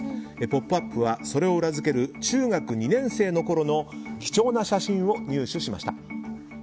「ポップＵＰ！」はそれを裏付ける中学２年生のころの貴重な写真を入手しました。